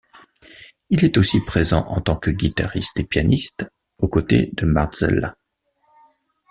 Il est aussi présent en tant que guitariste et pianiste aux côtés de Marzella.